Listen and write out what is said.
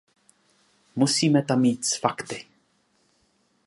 Musíme tam jít s fakty.